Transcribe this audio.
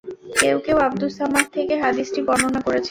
কেউ কেউ আবদুস সামাদ থেকে হাদীসটি বর্ণনা করেছেন।